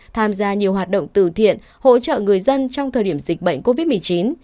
tham gia nhiều hoạt động từ thiện hỗ trợ người dân trong thời điểm dịch bệnh covid một mươi chín